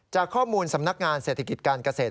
จากข้อมูลสำนักงานเศรษฐกิจการเกษตร